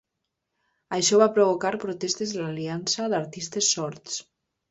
Això va provocar protestes de l'Aliança d'artistes sords.